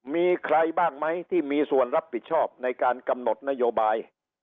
มีใครบ้างไหมที่มีส่วนรับผิดชอบในการกำหนดนโยบาย